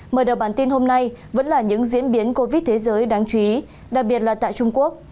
mở đầu bản tin hôm nay vẫn là những diễn biến covid thế giới đáng chú ý đặc biệt là tại trung quốc